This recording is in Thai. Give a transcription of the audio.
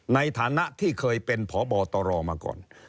ในฐานะที่เคยเป็นพบตรมาก่อน